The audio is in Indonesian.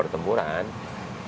ini untuk apa